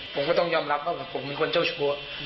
ผมก็ต้องยอมรับว่าผมเป็นคนเจ้าชู้